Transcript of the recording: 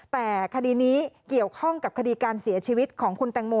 แต่คดีนี้เกี่ยวข้องกับคดีการเสียชีวิตของคุณแตงโม